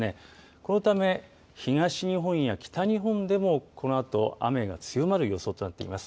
このため東日本や北日本でもこのあと雨が強まる予想となってきます。